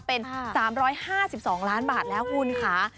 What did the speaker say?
เป็น๓๕๒ล้านบาทแล้วคุณค่ะ